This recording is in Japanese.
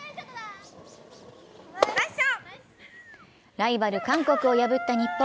ライバル・韓国を破った日本。